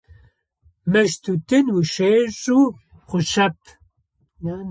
Мыщ тутын ущешъо хъущэп.